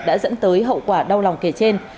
đã dẫn tới hậu quả đau lòng kể trên